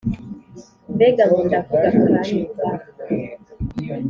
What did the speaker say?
Mbega ngo ndavuga akanyumva!